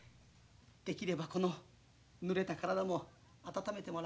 できればこのぬれた体も温めてもらいたい。